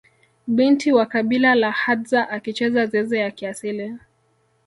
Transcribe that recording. Binti wa kabila la hadza akicheza zeze ya kiasili